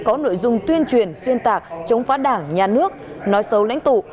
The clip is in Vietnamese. có nội dung tuyên truyền xuyên tạc chống phá đảng nhà nước nói xấu lãnh tụ